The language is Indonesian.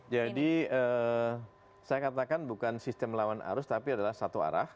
jadi saya katakan bukan sistem laun arus tapi adalah satu arah